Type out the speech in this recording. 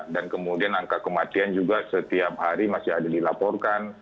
dan kemudian angka kematian juga setiap hari masih ada dilaporkan